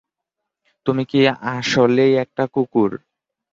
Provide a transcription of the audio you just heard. তুমি কি আসলেই একটা কুকুর?